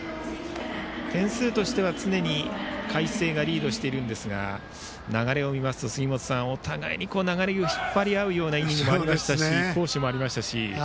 点数としては常に海星がリードしているんですが流れを見ますと杉本さんお互いに流れを引っ張るようなイニングもありましたし好守もありましたし。